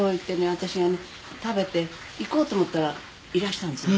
私がね食べて行こうと思ったらいらしたんですよ。